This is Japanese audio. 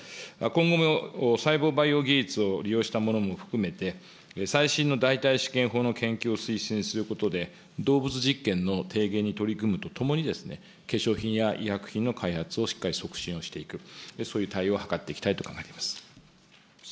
今後も細胞培養技術を利用したものも含めて、最新の代替試験法の研究を推進することで、動物実験の提言に取り組むとともに、化粧品や医薬品の開発をしっかり促進していく、そういう対応を図っていきたいと考えております。